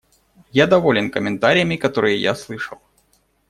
Я доволен комментариями, которые я слышал.